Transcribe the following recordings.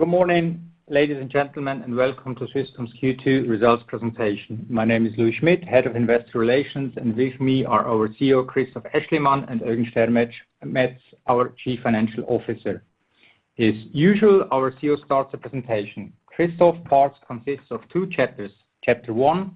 Good morning, ladies and gentlemen, and welcome to Swisscom's Q2 results presentation. My name is Louis Schmid, head of Investor Relations, and with me are our CEO, Christoph Aeschlimann, and Eugen Stermetz, our Chief Financial Officer. As usual, our CEO starts the presentation. Christoph's part consists of two chapters. Chapter one,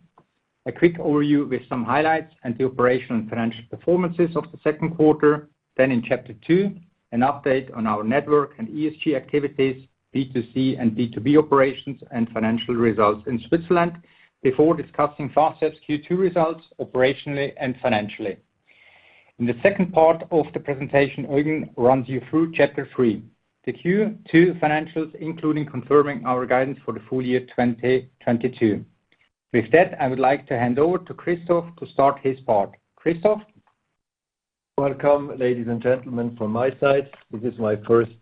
a quick overview with some highlights and the operational and financial performances of the second quarter. Then in chapter two, an update on our network and ESG activities, B2C and B2B operations, and financial results in Switzerland before discussing Fastweb's Q2 results operationally and financially. In the second part of the presentation, Eugen runs you through chapter three, the Q2 financials, including confirming our guidance for the full year 2022. With that, I would like to hand over to Christoph to start his part. Christoph? Welcome, ladies and gentlemen, from my side. This is my first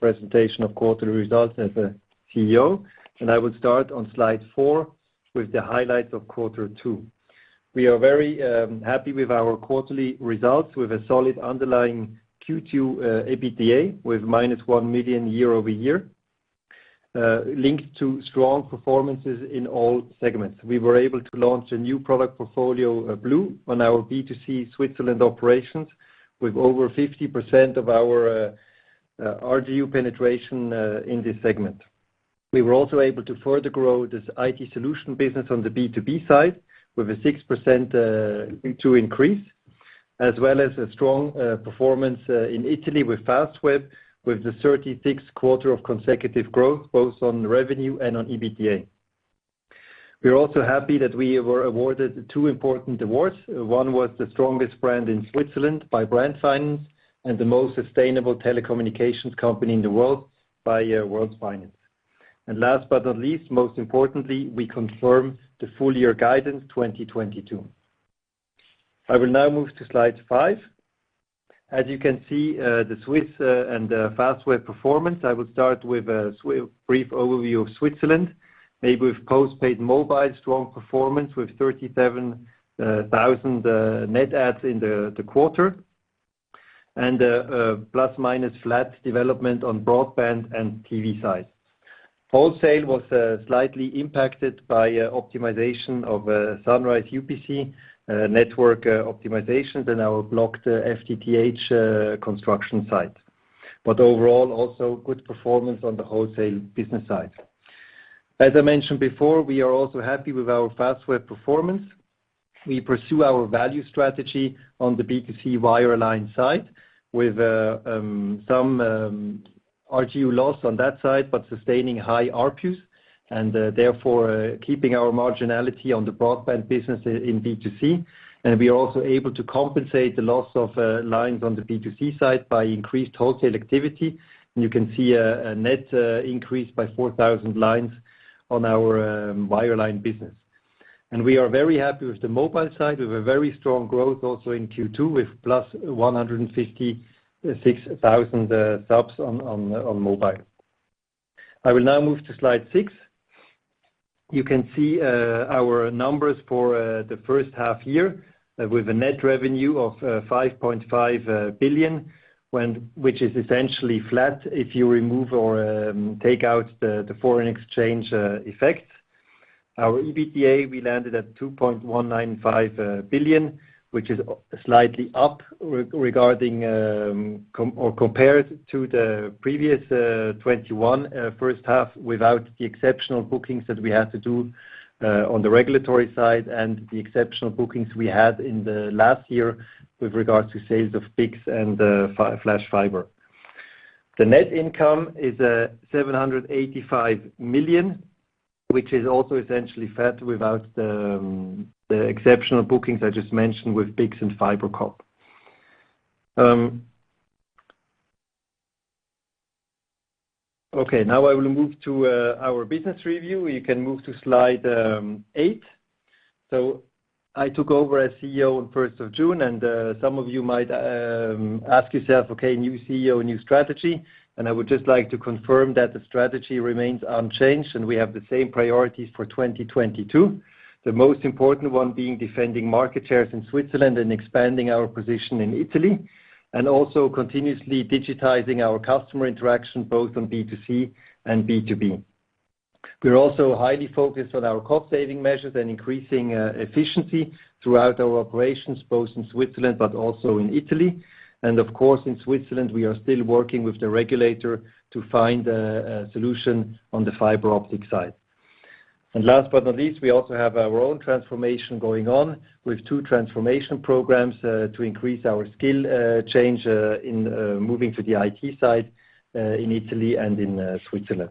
presentation of quarterly results as a CEO, and I will start on slide four with the highlights of quarter two. We are very happy with our quarterly results, with a solid underlying Q2 EBITDA with -1 million year-over-year, linked to strong performances in all segments. We were able to launch a new product portfolio, Blue on our B2C Switzerland operations with over 50% of our RGU penetration in this segment. We were also able to further grow this IT solution business on the B2B side with a 6% Q2 increase, as well as a strong performance in Italy with Fastweb, with the 36th quarter of consecutive growth, both on revenue and on EBITDA. We are also happy that we were awarded two important awards. One was the strongest brand in Switzerland by Brand Finance, and the most sustainable telecommunications company in the world by World Finance. Last but not least, most importantly, we confirm the full year guidance 2022. I will now move to slide five. As you can see, the Swiss and the Fastweb performance. I will start with a brief overview of Switzerland. Maybe with post-paid mobile, strong performance with 37,000 net adds in the quarter, and a plus-minus flat development on broadband and TV side. Wholesale was slightly impacted by optimization of Sunrise UPC network optimizations in our blocked FTTH construction site. Overall, also good performance on the wholesale business side. As I mentioned before, we are also happy with our Fastweb performance. We pursue our value strategy on the B2C wireline side with some RGU loss on that side, but sustaining high ARPUs and therefore keeping our marginality on the broadband business in B2C. We are also able to compensate the loss of lines on the B2C side by increased wholesale activity. You can see a net increase by 4,000 lines on our wireline business. We are very happy with the mobile side. We have a very strong growth also in Q2 with +156,000 subs on mobile. I will now move to slide six. You can see our numbers for the first half year with a net revenue of 5.5 billion, which is essentially flat if you remove or take out the foreign exchange effect. Our EBITDA, we landed at 2.195 billion, which is slightly up compared to the previous 2021 first half without the exceptional bookings that we had to do on the regulatory side and the exceptional bookings we had in the last year with regards to sales of BICS and Flash Fiber. The net income is 785 million, which is also essentially flat without the exceptional bookings I just mentioned with BICS and FiberCop. Okay, now I will move to our business review. You can move to slide eight. I took over as CEO on first of June, and some of you might ask yourself, okay, new CEO, new strategy. I would just like to confirm that the strategy remains unchanged, and we have the same priorities for 2022. The most important one being defending market shares in Switzerland and expanding our position in Italy, and also continuously digitizing our customer interaction both on B2C and B2B. We are also highly focused on our cost saving measures and increasing efficiency throughout our operations, both in Switzerland but also in Italy. Of course, in Switzerland, we are still working with the regulator to find a solution on the fiber optic side. Last but not least, we also have our own transformation going on with two transformation programs to increase our skill change in moving to the IT side in Italy and in Switzerland.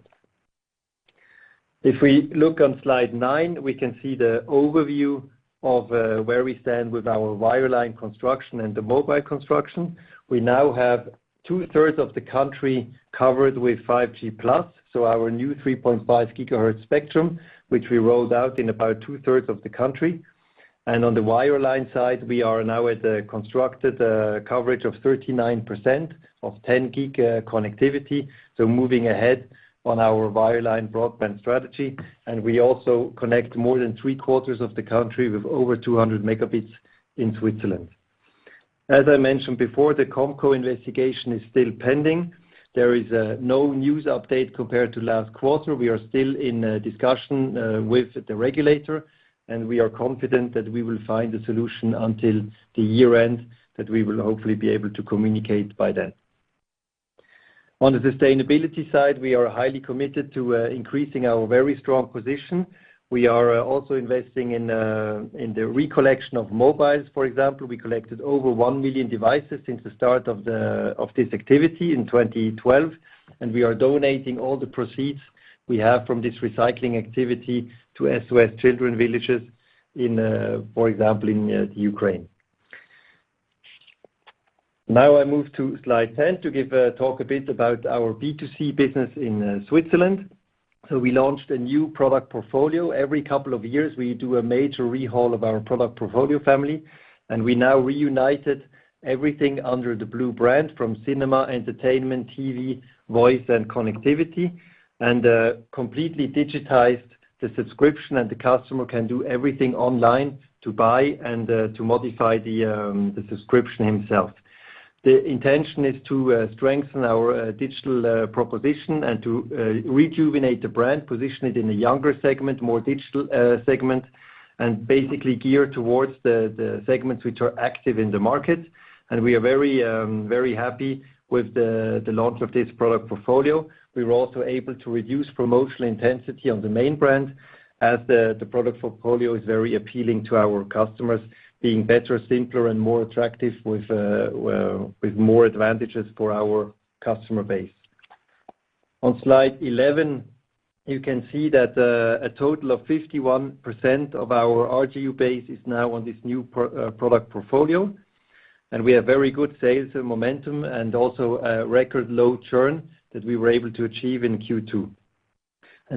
If we look on slide nine, we can see the overview of where we stand with our wireline construction and the mobile construction. We now have two-thirds of the country covered with 5G+, so our new 3.5 GHz spectrum, which we rolled out in about two-thirds of the country. On the wireline side, we are now at a constructed coverage of 39% of 10 gig connectivity. Moving ahead on our wireline broadband strategy. We also connect more than three-quarters of the country with over 200 megabits in Switzerland. As I mentioned before, the COMCO investigation is still pending. There is no news update compared to last quarter. We are still in discussion with the regulator, and we are confident that we will find a solution until the year end that we will hopefully be able to communicate by then. On the sustainability side, we are highly committed to increasing our very strong position. We are also investing in the collection of mobiles. For example, we collected over one million devices since the start of this activity in 2012, and we are donating all the proceeds we have from this recycling activity to SOS Children's Villages in, for example, Ukraine. Now I move to slide 10 to give a talk a bit about our B2C business in Switzerland. We launched a new product portfolio. Every couple of years, we do a major overhaul of our product portfolio family, and we now reunited everything under the Blue brand from cinema, entertainment, TV, voice, and connectivity, and completely digitized the subscription, and the customer can do everything online to buy and to modify the subscription himself. The intention is to strengthen our digital proposition and to rejuvenate the brand, position it in a younger segment, more digital segment, and basically gear towards the segments which are active in the market. We are very happy with the launch of this product portfolio. We were also able to reduce promotional intensity on the main brand as the product portfolio is very appealing to our customers, being better, simpler, and more attractive with more advantages for our customer base. On slide 11, you can see that a total of 51% of our RGU base is now on this new product portfolio, and we have very good sales and momentum and also record low churn that we were able to achieve in Q2.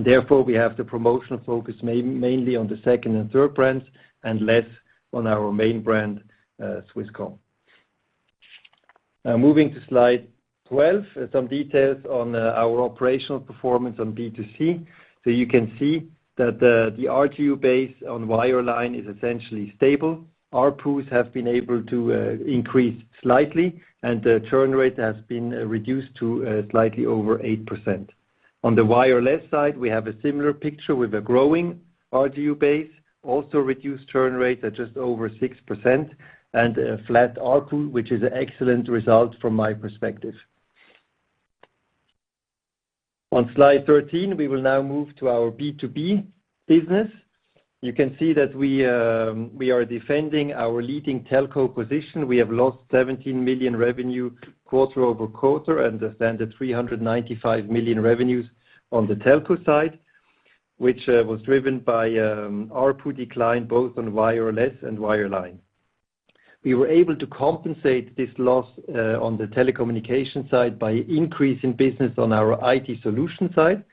Therefore, we have the promotional focus mainly on the second and third brands and less on our main brand, Swisscom. Moving to slide 12, some details on our operational performance on B2C. You can see that the RGU base on wireline is essentially stable. ARPUs have been able to increase slightly, and the churn rate has been reduced to slightly over 8%. On the wireless side, we have a similar picture with a growing RGU base, also reduced churn rate at just over 6% and a flat ARPU, which is an excellent result from my perspective. On slide 13, we will now move to our B2B business. You can see that we are defending our leading telco position. We have lost 17 million revenue quarter-over-quarter and a standard 395 million revenues on the telco side, which was driven by ARPU decline both on wireless and wireline. We were able to compensate this loss on the telecommunication side by increasing business on our IT solution side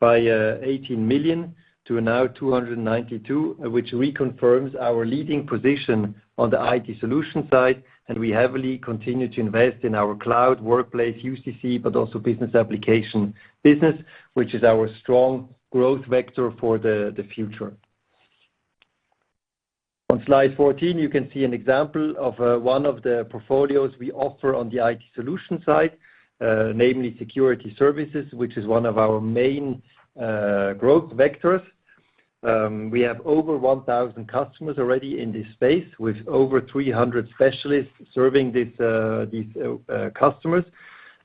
by 18 million to now 292 million, which reconfirms our leading position on the IT solution side. We heavily continue to invest in our cloud, workplace, UCC, but also business application business, which is our strong growth vector for the future. On slide 14, you can see an example of one of the portfolios we offer on the IT solution side, namely security services, which is one of our main growth vectors. We have over 1,000 customers already in this space with over 300 specialists serving these customers.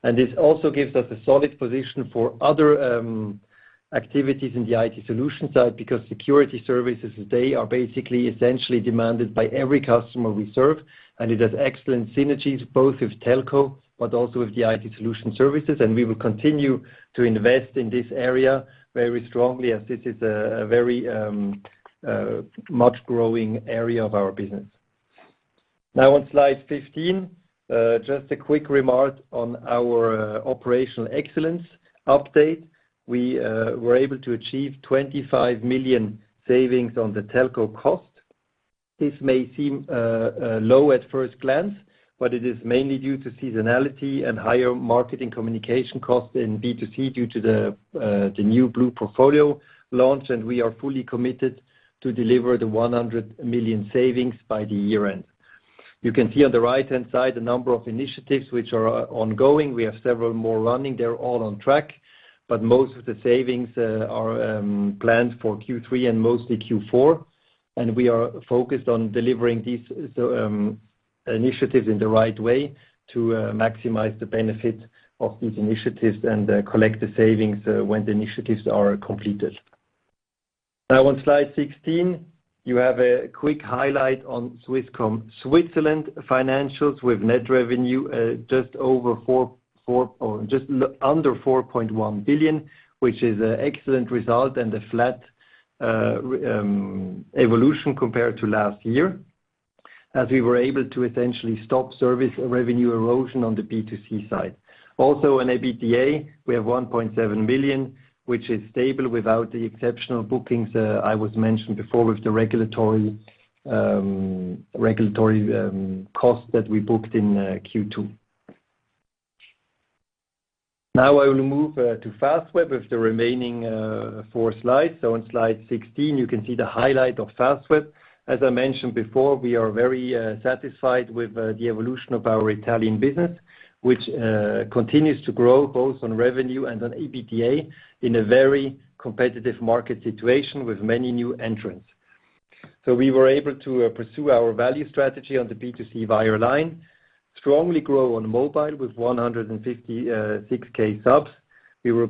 It also gives us a solid position for other activities in the IT solution side because security services today are basically essentially demanded by every customer we serve. It has excellent synergies both with telco but also with the IT solution services. We will continue to invest in this area very strongly as this is a very much growing area of our business. Now on slide 15, just a quick remark on our operational excellence update. We were able to achieve 25 million savings on the telco cost. This may seem low at first glance, but it is mainly due to seasonality and higher marketing communication costs in B2C due to the new Blue portfolio launch. We are fully committed to deliver the 100 million savings by the year-end. You can see on the right-hand side a number of initiatives which are ongoing. We have several more running. They are all on track, but most of the savings are planned for Q3 and mostly Q4. We are focused on delivering these initiatives in the right way to maximize the benefit of these initiatives and collect the savings when the initiatives are completed. Now on slide 16, you have a quick highlight on Swisscom Switzerland financials with net revenue just over 4 billion or just under 4.1 billion, which is an excellent result and a flat evolution compared to last year, as we were able to essentially stop service revenue erosion on the B2C side. Also in EBITDA, we have 1.7 billion, which is stable without the exceptional bookings as I mentioned before with the regulatory cost that we booked in Q2. Now I will move to Fastweb with the remaining four slides. On slide 16, you can see the highlight of Fastweb. As I mentioned before, we are very satisfied with the evolution of our Italian business, which continues to grow both on revenue and on EBITDA in a very competitive market situation with many new entrants. We were able to pursue our value strategy on the B2C wire line, strongly grow on mobile with 156,000 subs. We were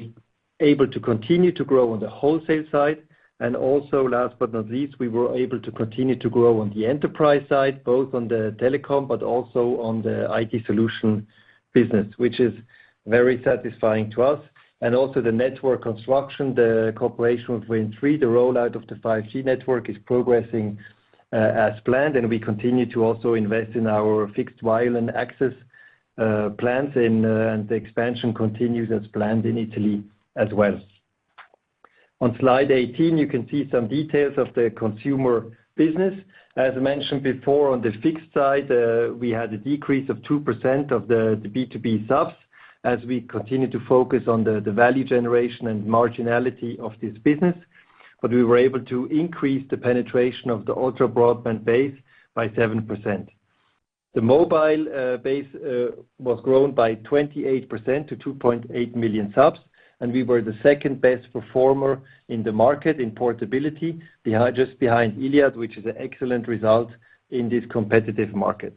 able to continue to grow on the wholesale side. Also last but not least, we were able to continue to grow on the enterprise side, both on the telecom but also on the IT solution business, which is very satisfying to us. Also the network construction, the cooperation with Wind Tre, the rollout of the 5G network is progressing as planned, and we continue to also invest in our fixed wire and access plans. The expansion continues as planned in Italy as well. On slide 18, you can see some details of the consumer business. As mentioned before, on the fixed side, we had a decrease of 2% of the B2B subs as we continue to focus on the value generation and marginality of this business. We were able to increase the penetration of the ultra broadband base by 7%. The mobile base was grown by 28% to 2.8 million subs, and we were the second best performer in the market in portability behind, just behind Iliad, which is an excellent result in this competitive market.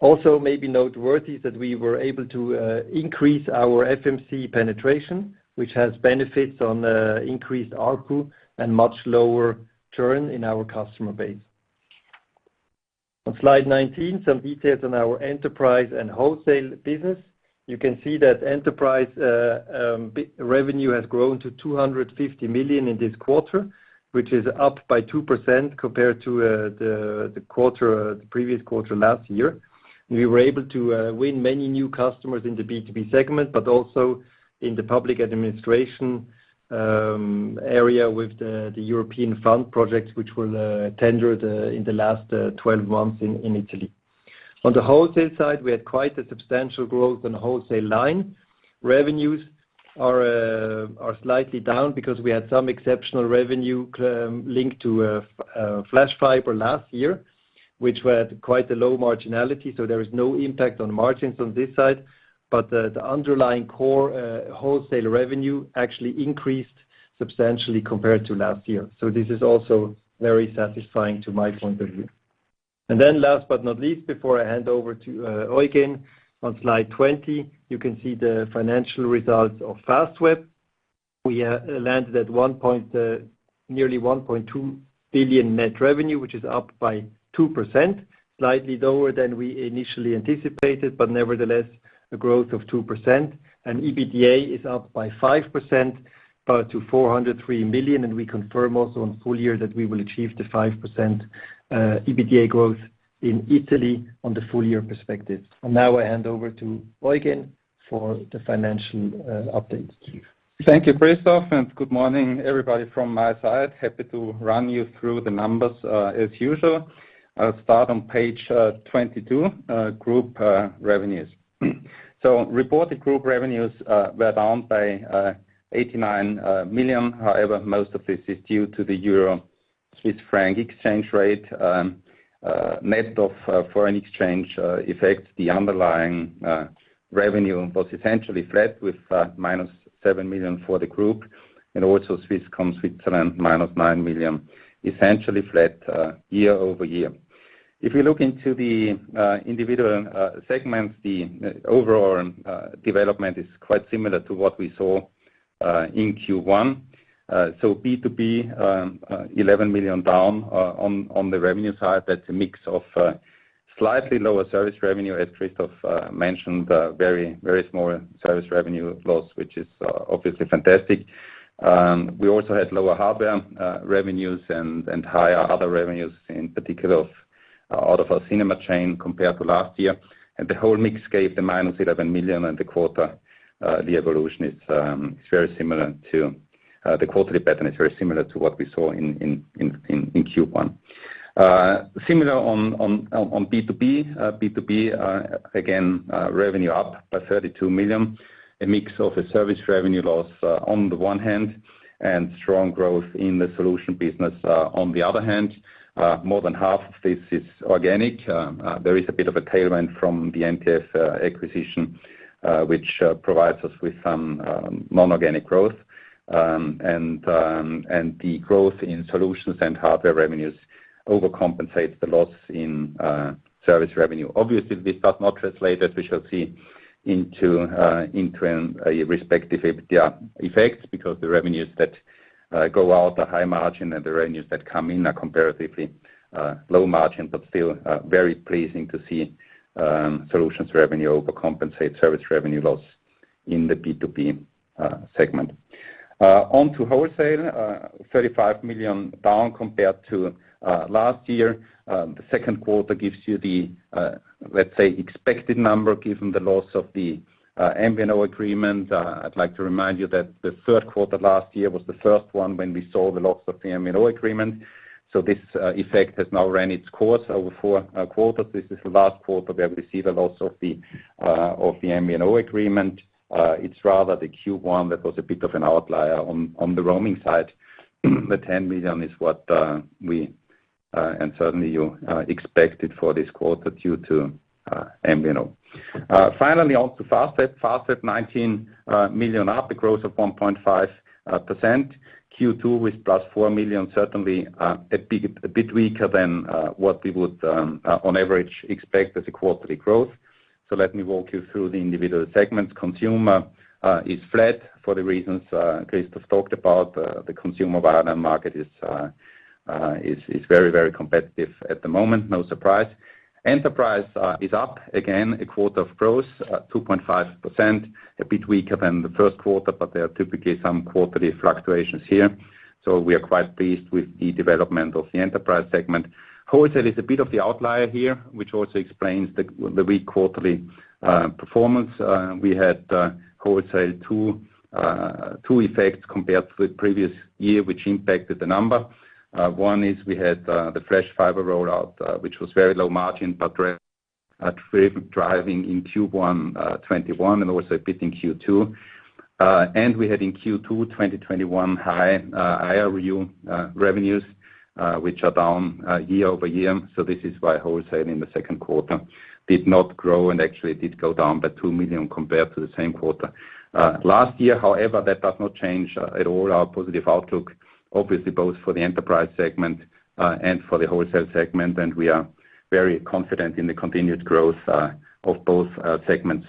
Also maybe noteworthy is that we were able to increase our FMC penetration, which has benefits on the increased ARPU and much lower churn in our customer base. On slide 19, some details on our enterprise and wholesale business. You can see that enterprise revenue has grown to 250 million in this quarter, which is up by 2% compared to the previous quarter last year. We were able to win many new customers in the B2B segment, but also in the public administration area with the European fund projects which were tendered in the last 12 months in Italy. On the wholesale side, we had quite a substantial growth on the wholesale line. Revenues are slightly down because we had some exceptional revenue linked to Flash Fiber last year, which were at quite a low marginality, so there is no impact on margins on this side. The underlying core wholesale revenue actually increased substantially compared to last year. This is also very satisfying to my point of view. Then last but not least, before I hand over to Eugen, on slide 20, you can see the financial results of Fastweb. We landed at nearly 1.2 billion net revenue, which is up by 2%, slightly lower than we initially anticipated, but nevertheless a growth of 2%. EBITDA is up by 5% to 403 million. We confirm also on full year that we will achieve the 5% EBITDA growth in Italy on the full year perspective. Now I hand over to Eugen for the financial update. Eugen. Thank you, Christoph, and good morning everybody from my side. Happy to run you through the numbers, as usual. I'll start on page 22, group revenues. Reported group revenues were down by 89 million. However, most of this is due to the euro-Swiss franc exchange rate. Net of foreign exchange effects, the underlying revenue was essentially flat with -7 million for the group and also Swisscom Switzerland -9 million, essentially flat year-over-year. If you look into the individual segments, the overall development is quite similar to what we saw in Q1. B2B 11 million down on the revenue side. That's a mix of slightly lower service revenue as Christoph mentioned, very, very small service revenue loss, which is obviously fantastic. We also had lower hardware revenues and higher other revenues, in particular out of our cinema chain compared to last year. The whole mix gave -11 million, and the quarter the evolution is very similar to the quarterly pattern is very similar to what we saw in Q1. Similar on B2B. B2B again revenue up by 32 million, a mix of a service revenue loss on the one hand, and strong growth in the solution business on the other hand. More than half of this is organic. There is a bit of a tailwind from the MTF acquisition, which provides us with some non-organic growth. The growth in solutions and hardware revenues overcompensates the loss in service revenue. Obviously, this does not translate, as we shall see, into interim respective EBITDA effects because the revenues that go out are high margin and the revenues that come in are comparatively low margin, but still very pleasing to see solutions revenue overcompensate service revenue loss in the B2B segment. Onto wholesale, 35 million down compared to last year. The second quarter gives you the, let's say, expected number given the loss of the MVNO agreement. I'd like to remind you that the third quarter last year was the first one when we saw the loss of the MVNO agreement. This effect has now ran its course over four quarters. This is the last quarter we have received a loss of the MVNO agreement. It's rather the Q1 that was a bit of an outlier on the roaming side. The 10 million is what we and certainly you expect it for this quarter due to M&A. Finally on to Fastweb. Fastweb 19 million up, a growth of 1.5%. Q2 with +4 million, certainly a bit weaker than what we would on average expect as a quarterly growth. Let me walk you through the individual segments. Consumer is flat for the reasons Christoph talked about. The consumer wireless market is very, very competitive at the moment. No surprise. Enterprise is up. Again, a quarter of growth 2.5%. A bit weaker than the first quarter, but there are typically some quarterly fluctuations here. We are quite pleased with the development of the enterprise segment. Wholesale is a bit of the outlier here, which also explains the weak quarterly performance. We had wholesale two effects compared to the previous year which impacted the number. One is we had the Flash Fiber rollout, which was very low margin, but driving in Q1 2021 and also a bit in Q2. We had in Q2 2021 higher revenues, which are down year-over-year. This is why wholesale in the second quarter did not grow and actually did go down by 2 million compared to the same quarter last year. However, that does not change at all our positive outlook, obviously, both for the enterprise segment and for the wholesale segment. We are very confident in the continued growth of both segments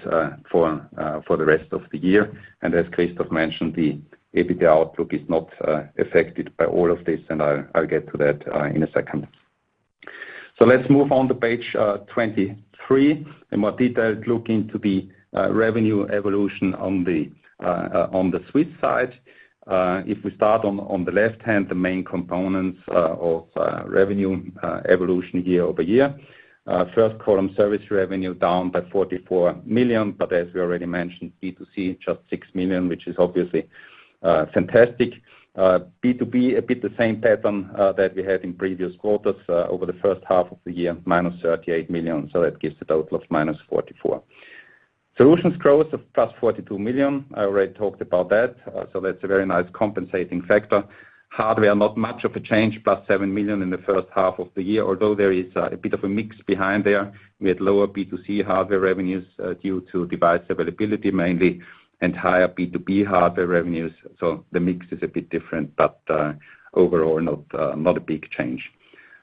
for the rest of the year. As Christoph mentioned, the EBITDA outlook is not affected by all of this, and I'll get to that in a second. Let's move on to page 23. A more detailed look into the revenue evolution on the Swiss side. If we start on the left hand, the main components of revenue evolution year-over-year. First column, service revenue down by 44 million, but as we already mentioned, B2C just 6 million, which is obviously fantastic. B2B, a bit the same pattern that we had in previous quarters over the first half of the year, -38 million. So that gives a total of -44 million. Solutions growth of +42 million. I already talked about that. So that's a very nice compensating factor. Hardware, not much of a change, +7 million in the first half of the year, although there is a bit of a mix behind there. We had lower B2C hardware revenues due to device availability mainly, and higher B2B hardware revenues. The mix is a bit different, but overall not a big change.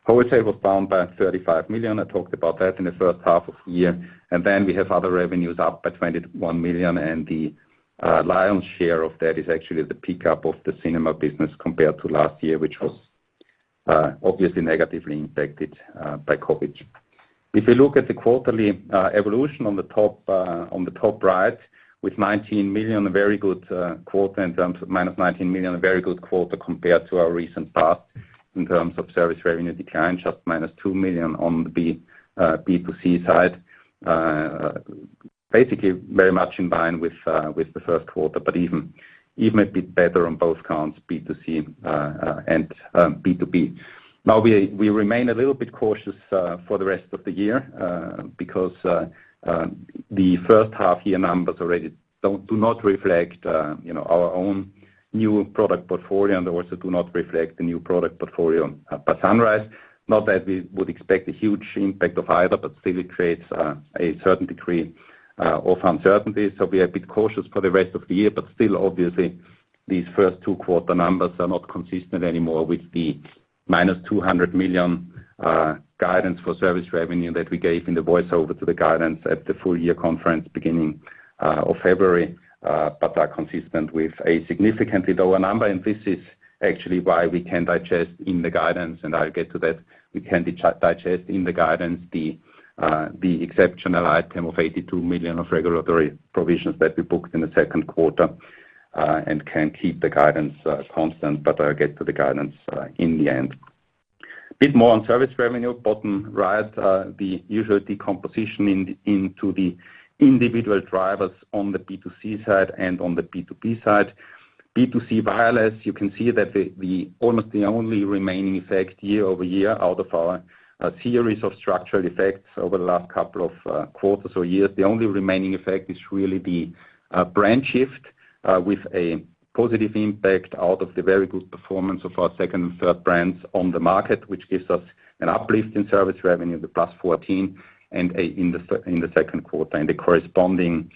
Wholesale was down by 35 million. I talked about that in the first half of the year. Then we have other revenues up by 21 million, and the lion's share of that is actually the pickup of the cinema business compared to last year, which was obviously negatively impacted by COVID. If you look at the quarterly evolution on the top right with minus 19 million, a very good quarter in terms of -19 million, a very good quarter compared to our recent past in terms of service revenue decline, just -2 million on the B2C side. Basically very much in line with the first quarter, but even a bit better on both counts, B2C and B2B. Now we remain a little bit cautious for the rest of the year because the first half year numbers already do not reflect, you know, our own new product portfolio and also do not reflect the new product portfolio by Sunrise. Not that we would expect a huge impact of either, but still it creates a certain degree of uncertainty. We are a bit cautious for the rest of the year, but still obviously these first two quarters numbers are not consistent anymore with the -200 million guidance for service revenue that we gave in the voice over to the guidance at the full year conference beginning of February, but are consistent with a significantly lower number. This is actually why we can digest in the guidance, and I'll get to that. We can digest in the guidance the exceptional item of 82 million of regulatory provisions that we booked in the second quarter, and can keep the guidance constant, but I'll get to the guidance in the end. A bit more on service revenue, bottom right. The usual decomposition into the individual drivers on the B2C side and on the B2B side. B2C wireless, you can see that almost the only remaining effect year-over-year out of our series of structural effects over the last couple of quarters or years. The only remaining effect is really the brand shift with a positive impact out of the very good performance of our second and third brands on the market, which gives us an uplift in service revenue, the +14 and 18% in the second quarter. The corresponding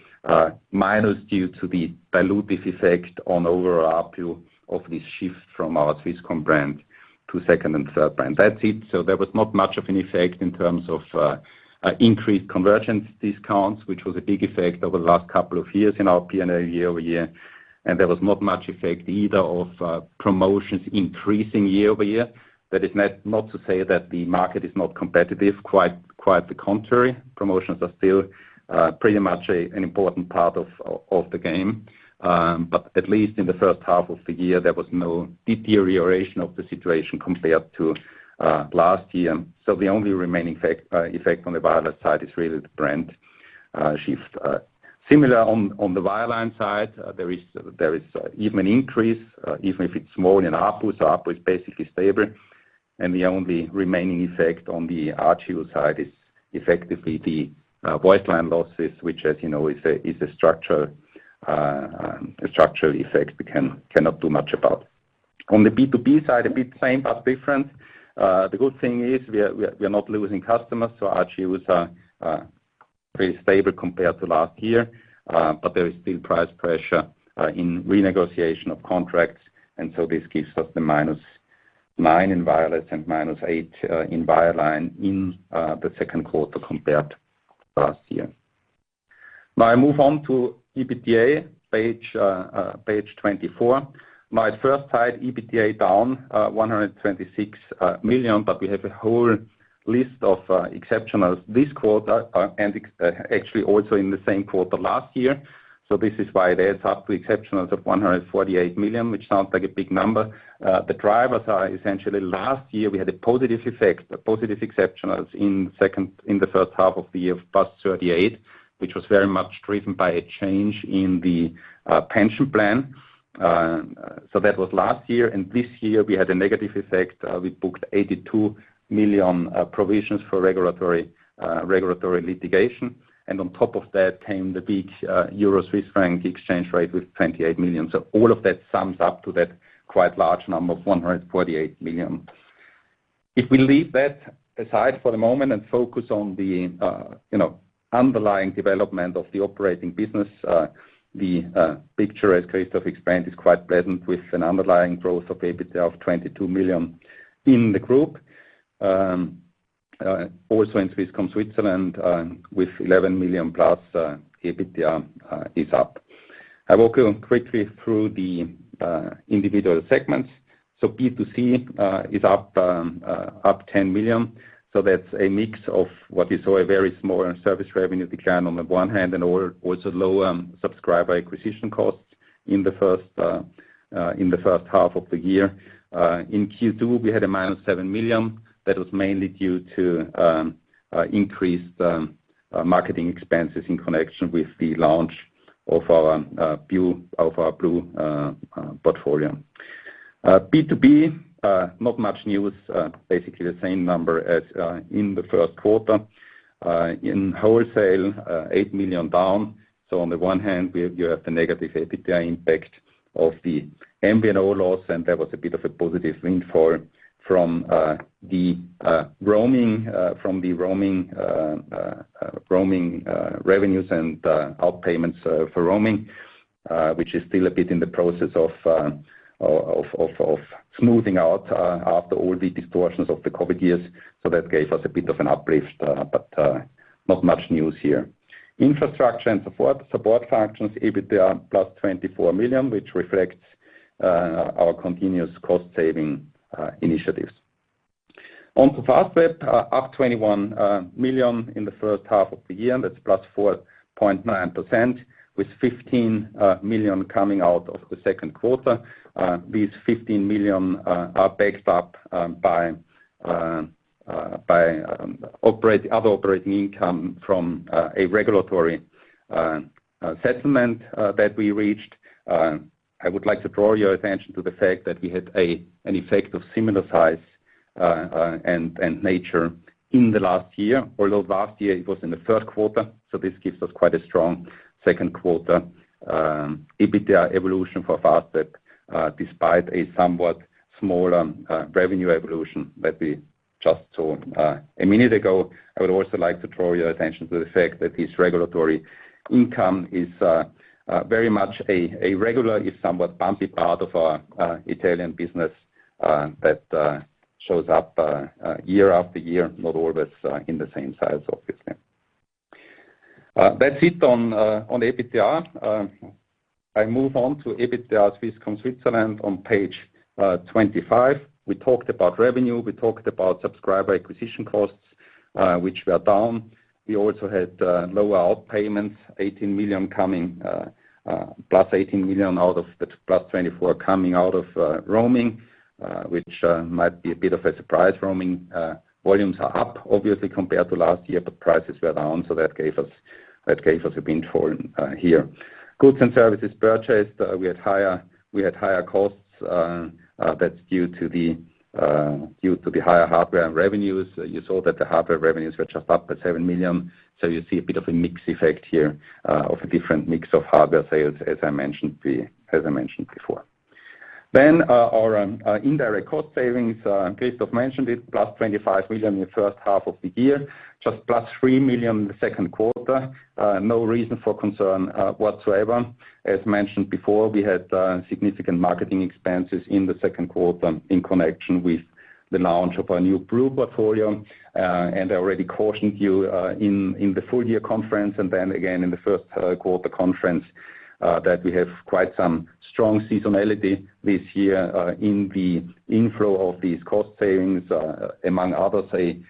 minus due to the dilutive effect on overall ARPU of this shift from our Swisscom brand to second and third brand. That's it. There was not much of an effect in terms of increased convergence discounts, which was a big effect over the last couple of years in our P&L year-over-year. There was not much effect either of promotions increasing year over year. That is not to say that the market is not competitive, quite the contrary. Promotions are still pretty much an important part of the game. At least in the first half of the year, there was no deterioration of the situation compared to last year. The only remaining effect on the wireless side is really the brand shift. Similar on the wireline side, there is even an increase, even if it's small in output. Output is basically stable, and the only remaining effect on the RGU side is effectively the voice line losses, which as you know, is a structural effect we cannot do much about. On the B2B side, a bit same but different. The good thing is we are not losing customers, so our users are pretty stable compared to last year. But there is still price pressure in renegotiation of contracts, and so this gives us the -9% in wireless and -8% in wireline in the second quarter compared to last year. Now I move on to EBITDA, page 24. My first slide, EBITDA down 126 million, but we have a whole list of exceptionals this quarter, and actually also in the same quarter last year. This is why there's up ex exceptionals of 148 million, which sounds like a big number. The drivers are essentially last year we had a positive effect, a positive exceptionals in the first half of the year of +38%, which was very much driven by a change in the pension plan. So that was last year, and this year we had a negative effect. We booked 82 million provisions for regulatory litigation. On top of that came the big Euro- Swiss franc exchange rate with 28 million. So all of that sums up to that quite large number of 148 million. If we leave that aside for the moment and focus on the, you know, underlying development of the operating business, the picture, as Christoph explained, is quite pleasant with an underlying growth of EBITDA of 22 million in the group. Also in Swisscom Switzerland, with 11 million-plus EBITDA is up. I walk you quickly through the individual segments. B2C is up 10 million. That's a mix of what you saw, a very small service revenue decline on the one hand and also low subscriber acquisition costs in the first half of the year. In Q2, we had a -7 million. That was mainly due to increased marketing expenses in connection with the launch of our Blue portfolio. B2B, not much news. Basically the same number as in the first quarter. In wholesale, 8 million down. On the one hand, we have the negative EBITDA impact of the MVNO loss, and there was a bit of a positive windfall from the roaming revenues and out-payments for roaming, which is still a bit in the process of smoothing out after all the distortions of the COVID years. That gave us a bit of an uplift, but not much news here. Infrastructure and support functions, EBITDA +24 million, which reflects our continuous cost saving initiatives. On to Fastweb, up 21 million in the first half of the year. That's +4.9%, with 15 million coming out of the second quarter. These 15 million are backed up by other operating income from a regulatory settlement that we reached. I would like to draw your attention to the fact that we had an effect of similar size and nature in the last year. Although last year, it was in the third quarter, so this gives us quite a strong second quarter EBITDA evolution for Fastweb, despite a somewhat smaller revenue evolution that we just saw a minute ago. I would also like to draw your attention to the fact that this regulatory income is very much a regular, if somewhat bumpy, part of our Italian business that shows up year after year, not always in the same size, obviously. That's it on EBITDA. I move on to EBITDA Swisscom Switzerland on page 25. We talked about revenue. We talked about subscriber acquisition costs, which were down. We also had lower out-payments, 18 million coming, plus 18 million out of the +24 million coming out of roaming, which might be a bit of a surprise. Roaming volumes are up, obviously, compared to last year, but prices were down, so that gave us a windfall here. Goods and services purchased, we had higher costs. That's due to the higher hardware and revenues. You saw that the hardware revenues were just up at 7 million. You see a bit of a mix effect here, of a different mix of hardware sales, as I mentioned before. Our indirect cost savings, and Christoph mentioned it, plus 25 million in the first half of the year, just plus 3 million in the second quarter. No reason for concern whatsoever. As mentioned before, we had significant marketing expenses in the second quarter in connection with the launch of our new Blue portfolio. I already cautioned you in the full year conference and then again in the first quarter conference that we have quite some strong seasonality this year in the inflow of these cost savings. Among others, a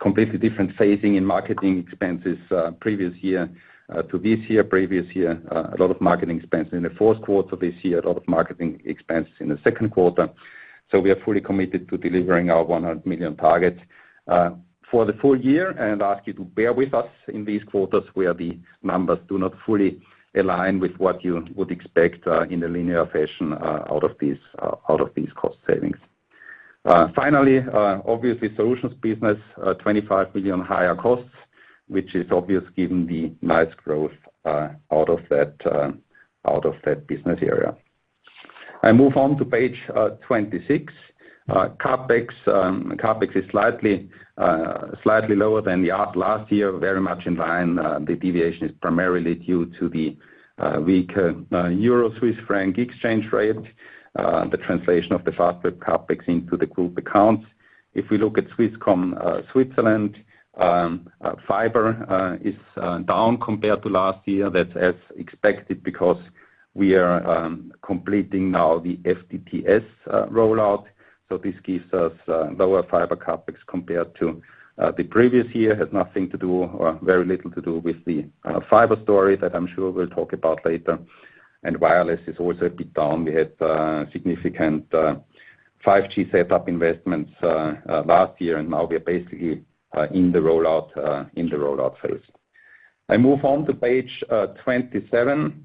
completely different phasing in marketing expenses previous year to this year. Previous year, a lot of marketing expense in the fourth quarter. This year, a lot of marketing expense in the second quarter. We are fully committed to delivering our 100 million target for the full year, and ask you to bear with us in these quarters where the numbers do not fully align with what you would expect in a linear fashion out of these cost savings. Finally, obviously solutions business, 25 million higher costs, which is obvious given the nice growth out of that business area. I move on to page 26. CapEx. CapEx is slightly lower than we had last year, very much in line. The deviation is primarily due to the weak Euro-Swiss franc exchange rate, the translation of the Fastweb CapEx into the group accounts. If we look at Swisscom Switzerland, fiber is down compared to last year. That's as expected because we are completing now the FTTS rollout. This gives us lower fiber CapEx compared to the previous year. It has nothing to do or very little to do with the fiber story that I'm sure we'll talk about later. Wireless is also a bit down. We had significant 5G setup investments last year, and now we are basically in the rollout phase. I move on to page 27,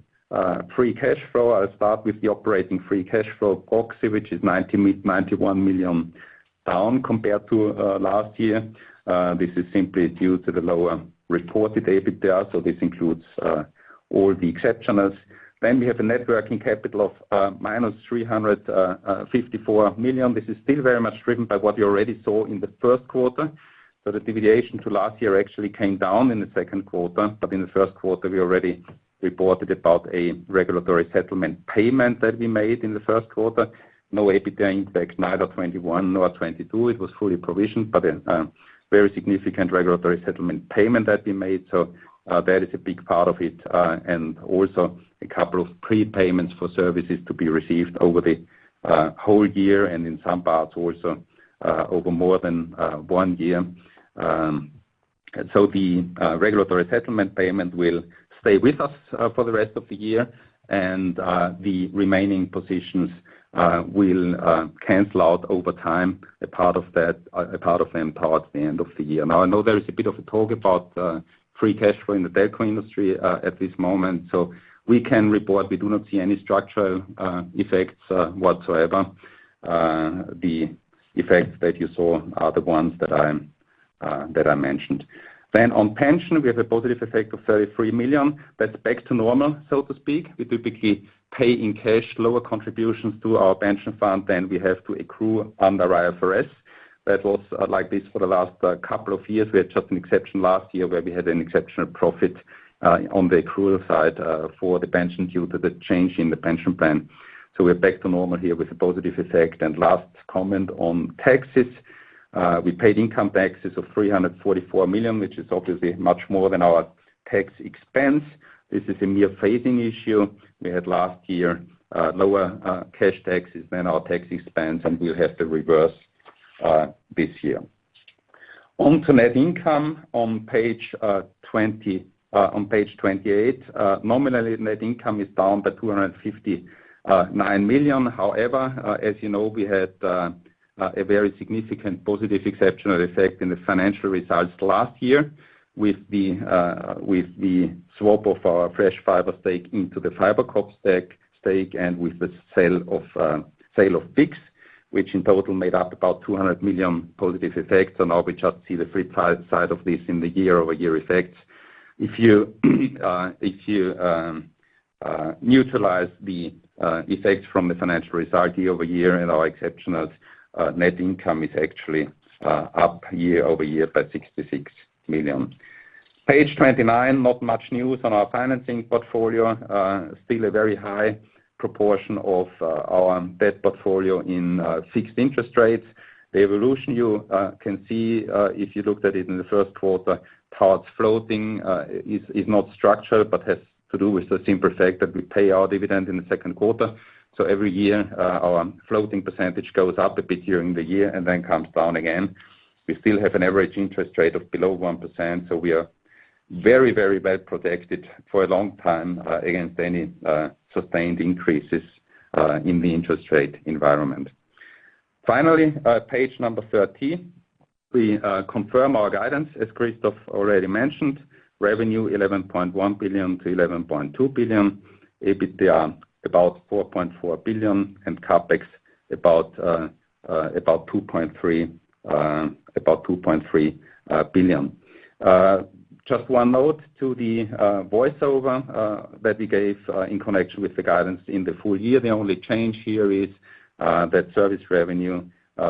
free cash flow. I'll start with the operating free cash flow box, which is 91 million down compared to last year. This is simply due to the lower reported EBITDA, so this includes all the exceptionals. We have a net working capital of -354 million. This is still very much driven by what you already saw in the first quarter, but the deviation to last year actually came down in the second quarter. In the first quarter, we already reported about a regulatory settlement payment that we made in the first quarter. No EBITDA impact, neither 2021 nor 2022. It was fully provisioned, but a very significant regulatory settlement payment that we made. That is a big part of it, and also a couple of prepayments for services to be received over the whole year and in some parts also over more than one year. The regulatory settlement payment will stay with us for the rest of the year, and the remaining positions will cancel out over time. A part of that, a part of them towards the end of the year. Now I know there is a bit of a talk about free cash flow in the telco industry at this moment. We can report we do not see any structural effects whatsoever. The effects that you saw are the ones that I mentioned. On pension, we have a positive effect of 33 million. That's back to normal, so to speak. We typically pay in cash lower contributions to our pension fund than we have to accrue under IFRS. That was like this for the last couple of years. We had just an exception last year where we had an exceptional profit on the accrual side for the pension due to the change in the pension plan. We're back to normal here with a positive effect. Last comment on taxes. We paid income taxes of 344 million, which is obviously much more than our tax expense. This is a mere phasing issue. We had last year lower cash taxes than our tax expense, and we'll have to reverse this year. On to net income on page 28. Nominally net income is down by 259 million. However, as you know, we had a very significant positive exceptional effect in the financial results last year with the swap of our Flash Fiber stake into the FiberCop stake, and with the sale of BICS, which in total made up about 200 million positive effects. Now we just see the flip side of this in the year-over-year effects. If you neutralize the effects from the financial results year-over-year and our exceptionals, net income is actually up year-over-year by 66 million. Page 29, not much news on our financing portfolio. Still a very high proportion of our debt portfolio in fixed interest rates. The evolution you can see if you looked at it in the first quarter, part floating, is not structured but has to do with the simple fact that we pay our dividend in the second quarter. Every year, our floating percentage goes up a bit during the year and then comes down again. We still have an average interest rate of below 1%, so we are very, very well protected for a long time against any sustained increases in the interest rate environment. Finally, page number 30. We confirm our guidance, as Christoph already mentioned. Revenue 11.1 billion-11.2 billion, EBITDA about 4.4 billion, and CapEx about 2.3 billion. Just one note to the voiceover that we gave in connection with the guidance in the full year. The only change here is that service revenue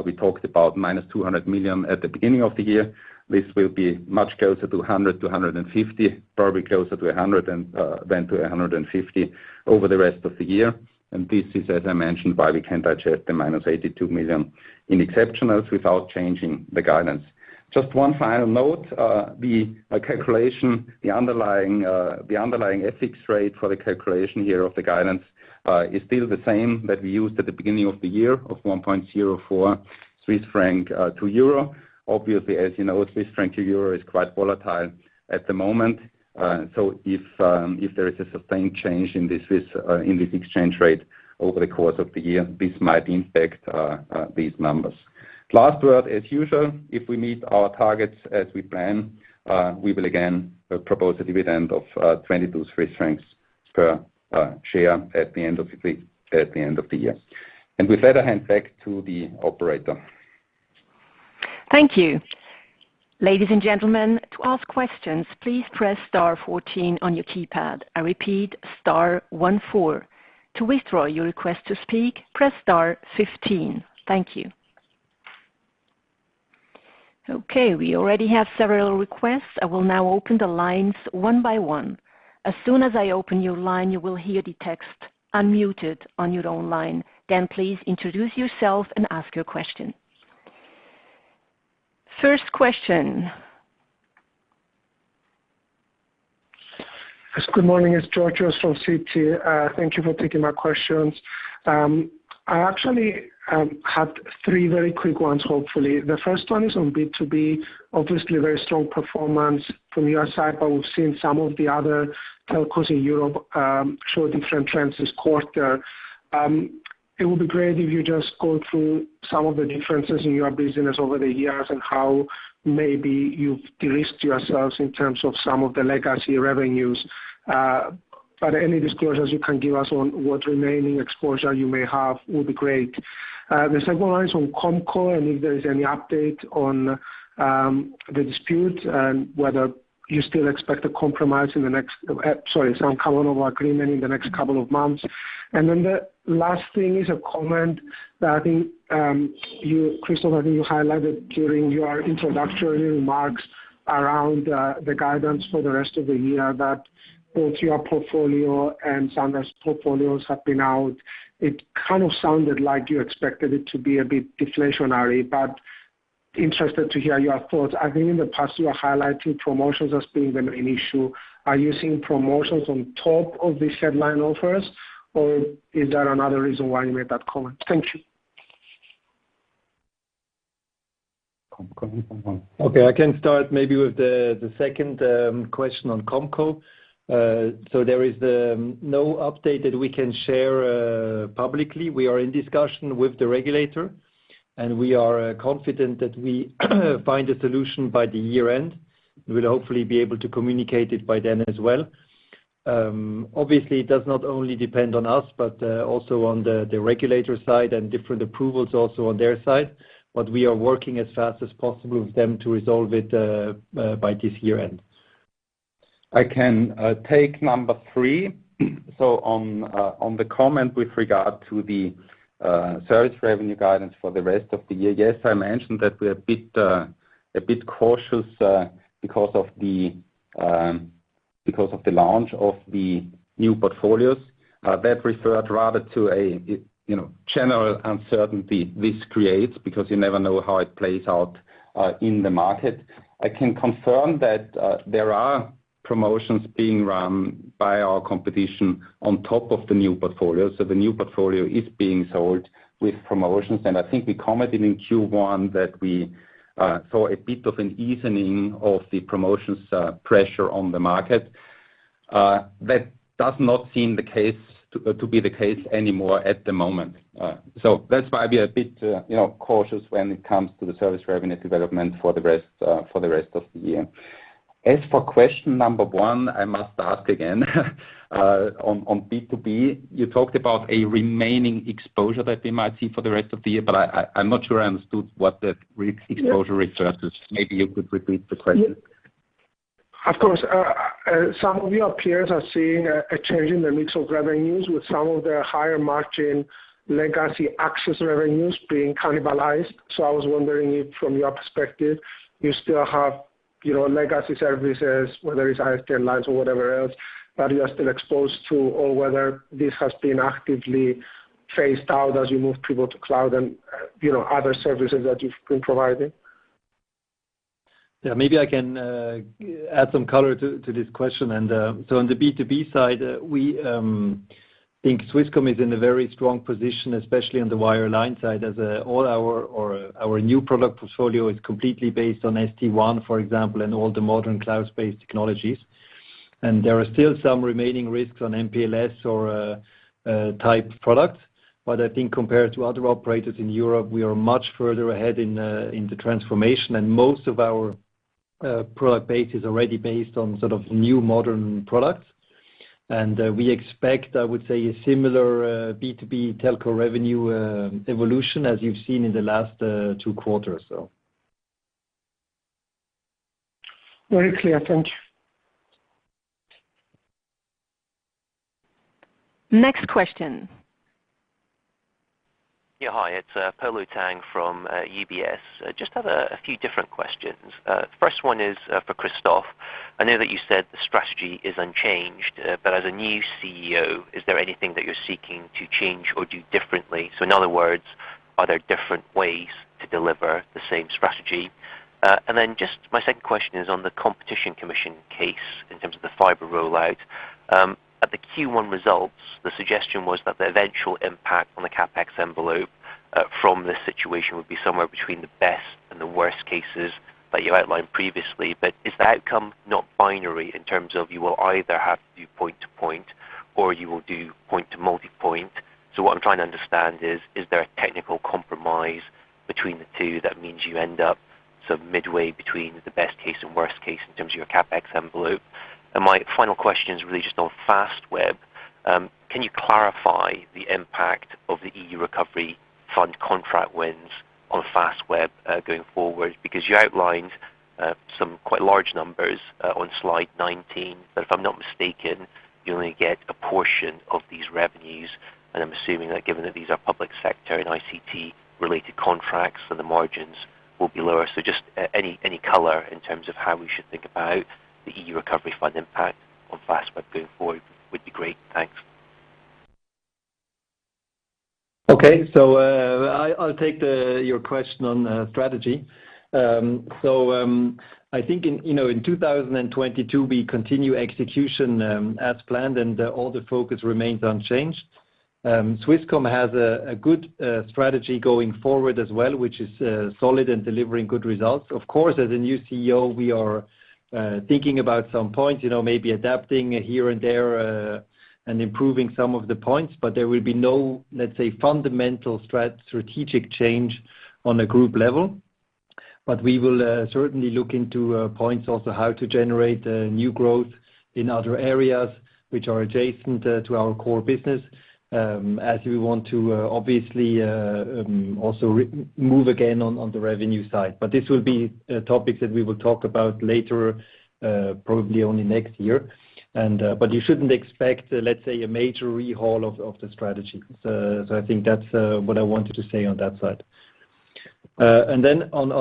we talked about- 200 million at the beginning of the year. This will be much closer to 100 million-150 million, probably closer to 100 than to 150 over the rest of the year. This is, as I mentioned, why we can digest the -82 million in exceptionals without changing the guidance. Just one final note. The calculation, the underlying FX rate for the calculation here of the guidance is still the same that we used at the beginning of the year of 1.04 Swiss franc to Euro. Obviously, as you know, Swiss franc to euro is quite volatile at the moment. So if there is a sustained change in this exchange rate over the course of the year, this might impact these numbers. Last word, as usual, if we meet our targets as we plan, we will again propose a dividend of 22 francs per share at the end of the year. With that, I hand back to the operator. Thank you. Ladies and gentlemen, to ask questions, please press star 14 on your keypad. I repeat, star one four. To withdraw your request to speak, press star 15. Thank you. Okay, we already have several requests. I will now open the lines one by one. As soon as I open your line, you will hear the text, "Unmuted," on your own line. Then please introduce yourself and ask your question. First question. Yes, good morning. It's Georgios from Citi. Thank you for taking my questions. I actually have three very quick ones, hopefully. The first one is on B2B. Obviously, a very strong performance from your side, but we've seen some of the other telcos in Europe show different trends this quarter. It would be great if you just go through some of the differences in your business over the years and how maybe you've de-risked yourselves in terms of some of the legacy revenues. But any disclosures you can give us on what remaining exposure you may have will be great. The second one is on COMCO and if there is any update on the dispute and whether you still expect some common agreement in the next couple of months. The last thing is a comment that you, Christoph, I think you highlighted during your introductory remarks around the guidance for the rest of the year that both your portfolio and Sunrise's portfolios have been out. It kind of sounded like you expected it to be a bit deflationary, but interested to hear your thoughts. I think in the past, you are highlighting promotions as being the main issue. Are you seeing promotions on top of these headline offers or is there another reason why you made that comment? Thank you. Comco. Okay, I can start maybe with the second question on COMCO. There is no update that we can share publicly. We are in discussion with the regulator, and we are confident that we find a solution by the year-end. We'll hopefully be able to communicate it by then as well. Obviously, it does not only depend on us, but also on the regulator side and different approvals also on their side. We are working as fast as possible with them to resolve it by this year-end. I can take number three. On the comment with regard to the service revenue guidance for the rest of the year. Yes, I mentioned that we're a bit cautious because of the launch of the new portfolios. That referred rather to a you know general uncertainty this creates because you never know how it plays out in the market. I can confirm that there are promotions being run by our competition on top of the new portfolio. The new portfolio is being sold with promotions. I think we commented in Q1 that we saw a bit of an easing of the promotions pressure on the market. That does not seem to be the case anymore at the moment. That's why we are a bit, you know, cautious when it comes to the service revenue development for the rest of the year. As for question number one, I must ask again, on B2B. You talked about a remaining exposure that we might see for the rest of the year, but I'm not sure I understood what that remaining exposure refers to. Maybe you could repeat the question. Of course. Some of your peers are seeing a change in the mix of revenues with some of the higher margin legacy access revenues being cannibalized. I was wondering if from your perspective, you still have, you know, legacy services, whether it's ISDN lines or whatever else that you are still exposed to or whether this has been actively phased out as you move people to cloud and, you know, other services that you've been providing. Yeah, maybe I can add some color to this question. On the B2B side, we think Swisscom is in a very strong position, especially on the wireline side, as all our new product portfolio is completely based on SD-WAN, for example, and all the modern cloud-based technologies. There are still some remaining risks on MPLS or type products. I think compared to other operators in Europe, we are much further ahead in the transformation. Most of our product base is already based on sort of new modern products. We expect, I would say, a similar B2B telco revenue evolution as you've seen in the last two quarters. Very clear. Thank you. Next question. Yeah, hi. It's Polo Tang from UBS. I just have a few different questions. First one is for Christoph. I know that you said the strategy is unchanged, but as a new CEO, is there anything that you're seeking to change or do differently? So in other words, are there different ways to deliver the same strategy? Just my second question is on the Competition Commission case in terms of the fiber rollout. At the Q1 results, the suggestion was that the eventual impact on the CapEx envelope from this situation would be somewhere between the best and the worst cases that you outlined previously. Is the outcome not binary in terms of you will either have to do point-to-point or you will do point-to-multipoint? What I'm trying to understand is there a technical compromise between the two that means you end up so midway between the best case and worst case in terms of your CapEx envelope. My final question is really just on Fastweb. Can you clarify the impact of the EU Recovery Fund contract wins on Fastweb going forward? Because you outlined some quite large numbers on slide 19, but if I'm not mistaken, you only get a portion of these revenues, and I'm assuming that given that these are public sector and ICT related contracts, so the margins will be lower. Just any color in terms of how we should think about the EU Recovery Fund impact on Fastweb going forward would be great. Thanks. Okay, I'll take your question on strategy. I think in, you know, 2022, we continue execution as planned, and all the focus remains unchanged. Swisscom has a good strategy going forward as well, which is solid and delivering good results. Of course, as a new CEO, we are thinking about some points, you know, maybe adapting here and there and improving some of the points. There will be no, let's say, fundamental strategic change on a group level. We will certainly look into points also how to generate new growth in other areas which are adjacent to our core business, as we want to obviously also move again on the revenue side. This will be topics that we will talk about later, probably only next year. You shouldn't expect, let's say, a major overhaul of the strategy. I think that's what I wanted to say on that side. On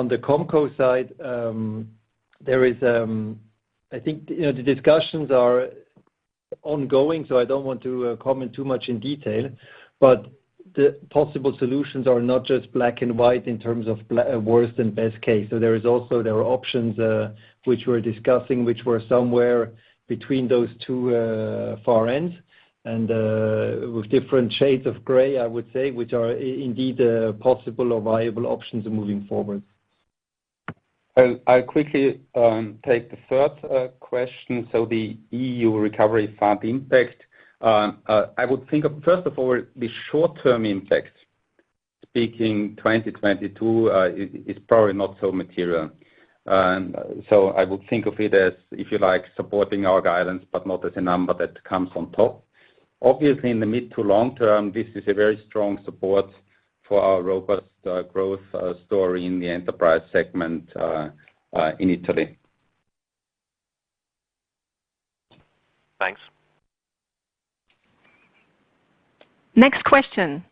the COMCO side, there is, I think, you know, the discussions are ongoing, so I don't want to comment too much in detail. The possible solutions are not just black and white in terms of worst and best case. There is also, there are options which we're discussing, which were somewhere between those two far ends and, with different shades of gray, I would say, which are indeed possible or viable options moving forward. I'll quickly take the third question. The EU Recovery Fund impact, I would think of first of all, the short-term impact, speaking 2022, is probably not so material. I would think of it as, if you like, supporting our guidance but not as a number that comes on top. Obviously, in the mid to long term, this is a very strong support for our robust growth story in the enterprise segment in Italy. Thanks. Next question.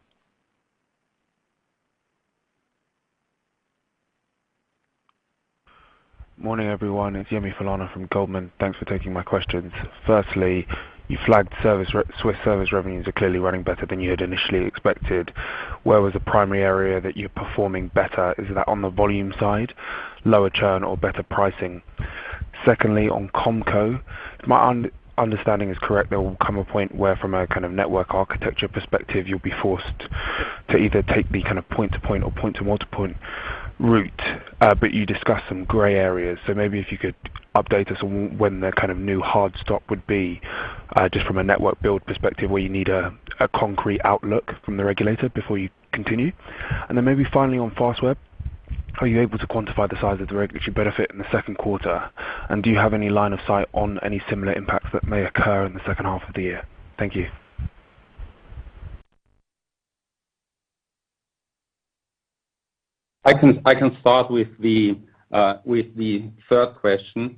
Morning, everyone. It's Yemi Falana from Goldman Sachs. Thanks for taking my questions. Firstly, you flagged Swiss service revenues are clearly running better than you had initially expected. Where was the primary area that you're performing better? Is that on the volume side, lower churn or better pricing? Secondly, on COMCO, if my understanding is correct, there will come a point where from a kind of network architecture perspective, you'll be forced to either take the kind of point-to-point or point-to-multipoint route, but you discussed some gray areas. Maybe if you could update us on when the kind of new hard stop would be, just from a network build perspective, where you need a concrete outlook from the regulator before you continue. Maybe finally on Fastweb, are you able to quantify the size of the regulatory benefit in the second quarter? Do you have any line of sight on any similar impacts that may occur in the second half of the year? Thank you. I can start with the third question.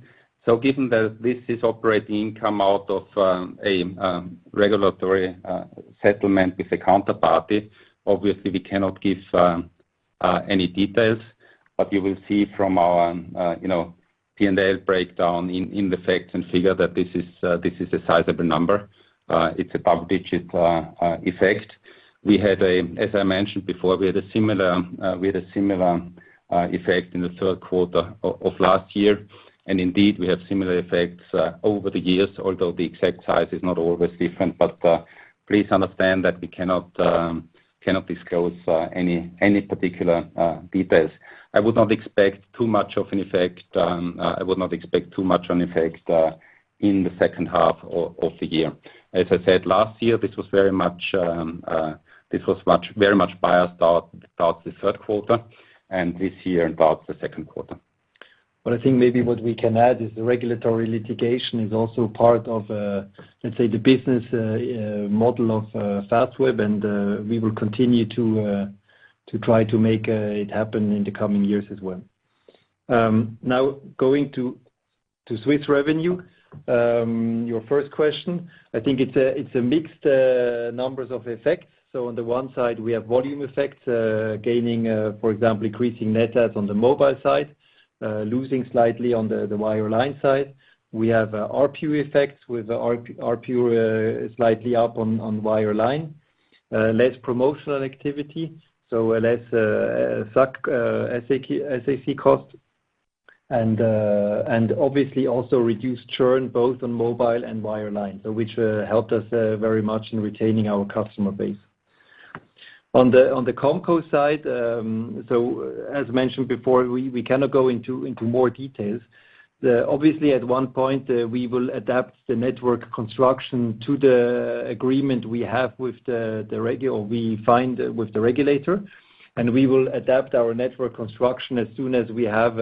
Given that this is operating income out of a regulatory settlement with a counterparty, obviously we cannot give any details. You will see from our you know P&L breakdown in the facts and figures that this is a sizable number. It's a double-digit effect. We had a similar effect in the third quarter of last year. Indeed, we have similar effects over the years, although the exact size is not always different. Please understand that we cannot disclose any particular details. I would not expect too much of an effect in the second half of the year. As I said, last year, this was very much biased towards the third quarter, and this year involves the second quarter. I think maybe what we can add is the regulatory litigation is also part of, let's say, the business model of Fastweb, and we will continue to try to make it happen in the coming years as well. Now going to Swiss revenue. Your first question, I think it's a mixed numbers of effects. On the one side, we have volume effects, gaining, for example, increasing net adds on the mobile side, losing slightly on the wireline side. We have ARPU effects with ARPU, slightly up on wireline. Less promotional activity, so less SAC, SAC cost, and obviously also reduced churn both on mobile and wireline. Which helped us very much in retaining our customer base. On the COMCO side, as mentioned before, we cannot go into more details. Obviously at one point, we will adapt the network construction to the agreement we have with the regulator or we find with the regulator, and we will adapt our network construction as soon as we have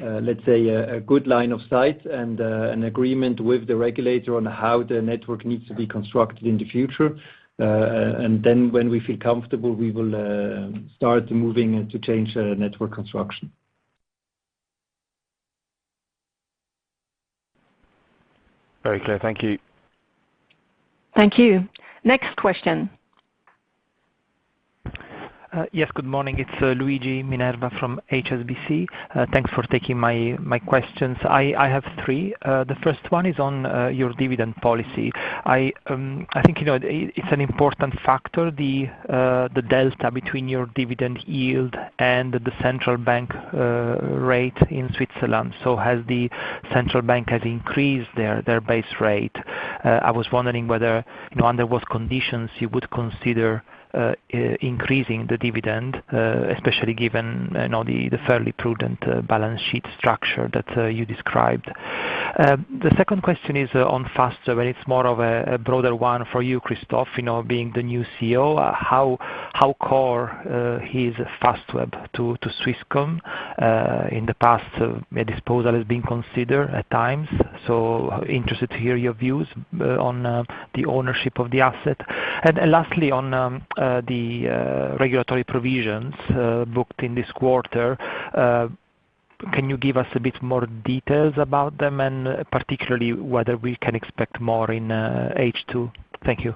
Let's say a good line of sight and an agreement with the regulator on how the network needs to be constructed in the future. Then when we feel comfortable, we will start moving to change the network construction. Very clear. Thank you. Thank you. Next question. Yes, good morning. It's Luigi Minerva from HSBC. Thanks for taking my questions. I have three. The first one is on your dividend policy. I think, you know, it's an important factor, the delta between your dividend yield and the central bank rate in Switzerland. Has the central bank increased their base rate? I was wondering whether, you know, under what conditions you would consider increasing the dividend, especially given, you know, the fairly prudent balance sheet structure that you described. The second question is on Fastweb. It's more of a broader one for you, Christoph, you know, being the new CEO. How core is Fastweb to Swisscom? In the past, a disposal has been considered at times. Interested to hear your views on the ownership of the asset. Lastly, on the regulatory provisions booked in this quarter. Can you give us a bit more details about them and particularly whether we can expect more in H2? Thank you.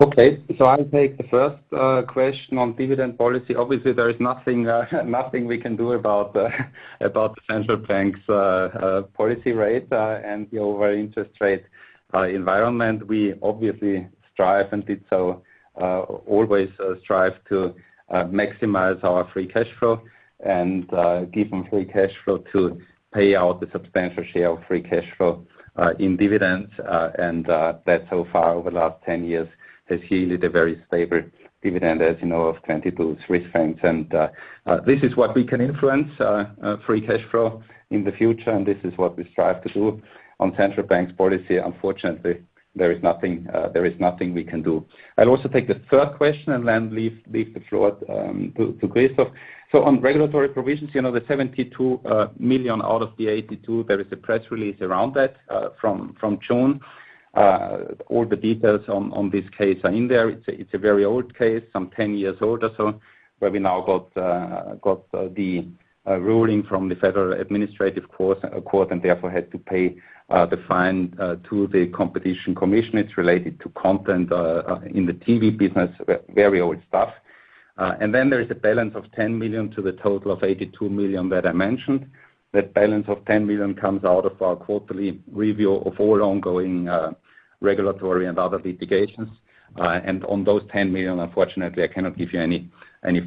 Okay. I'll take the first question on dividend policy. Obviously, there is nothing we can do about the central bank's policy rate and the overall interest rate environment. We obviously strive to maximize our free cash flow and use the free cash flow to pay out a substantial share of free cash flow in dividends. That so far over the last 10 years has yielded a very favorable dividend, as you know, of 22 Swiss francs. This is what we can influence, free cash flow in the future, and this is what we strive to do. On central bank's policy, unfortunately, there is nothing we can do. I'll also take the third question and then leave the floor to Christoph. On regulatory provisions, the 72 million out of the 82 million, there is a press release around that from June. All the details on this case are in there. It's a very old case, some ten years old or so, where we now got the ruling from the Federal Administrative Court and therefore had to pay the fine to the Competition Commission. It's related to content in the TV business, very old stuff. There is a balance of 10 million to the total of 82 million that I mentioned. That balance of 10 million comes out of our quarterly review of all ongoing regulatory and other litigations. On those 10 million, unfortunately, I cannot give you any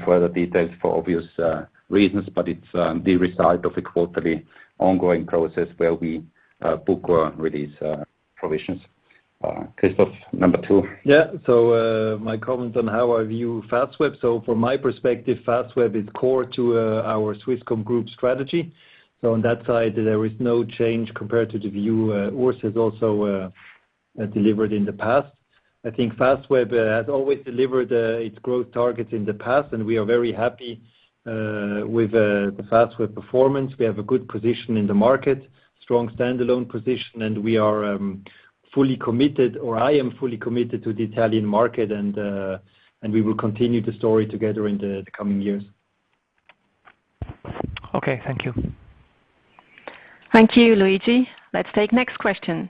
further details for obvious reasons, but it's the result of a quarterly ongoing process where we book or release provisions. Christoph, number two. Yeah. My comment on how I view Fastweb. From my perspective, Fastweb is core to our Swisscom Group strategy. On that side, there is no change compared to the view Urs has also delivered in the past. I think Fastweb has always delivered its growth targets in the past, and we are very happy with the Fastweb performance. We have a good position in the market, strong standalone position, and we are fully committed, or I am fully committed to the Italian market and we will continue the story together in the coming years. Okay, thank you. Thank you, Luigi. Let's take next question.